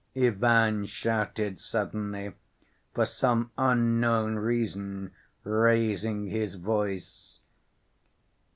Ivan shouted suddenly, for some unknown reason raising his voice.